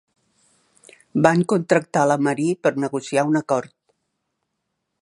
Van contractar la Marie per negociar un acord.